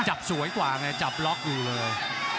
จับสวยกว่างั้ยจับล๊อคดูเลย